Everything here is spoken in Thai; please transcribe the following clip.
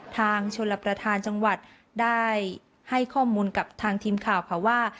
ชนรับประธานจังหวัดได้ให้ข้อมูลกับทางทีมข่าวค่ะว่า